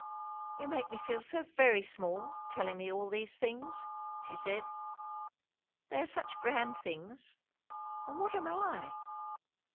"You make me feel so very small, telling me all these things!" she said. "They are such grand things! And what am I?"